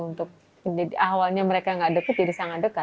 untuk jadi awalnya mereka nggak dekat jadi sangat dekat